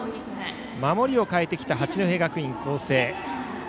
守りを変えてきた八戸学院光星。